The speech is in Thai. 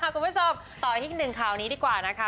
คุณผู้ชมต่ออีกหนึ่งข่าวนี้ดีกว่านะคะ